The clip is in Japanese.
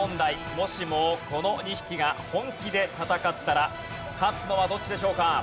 もしもこの２匹が本気で戦ったら勝つのはどっちでしょうか？